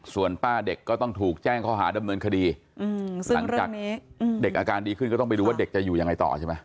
ส่วนป้าเด็กก็ต้องถูกแจ้งข้อหาดำเนินคดีหลังจากนี้เด็กอาการดีขึ้นก็ต้องไปดูว่าเด็กจะอยู่ยังไงต่อใช่ไหม